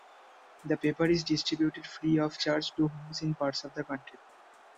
The paper is distributed free of charge to homes in parts of the country.